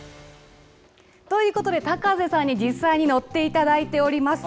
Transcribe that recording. ということで、高瀬さんに実際に乗っていただいております。